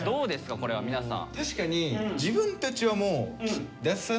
これは皆さん。